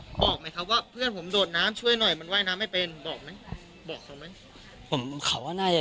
บอกไหมครับว่าเพื่อนผมโดดน้ำช่วยหน่อยมันว่ายน้ำไม่เป็น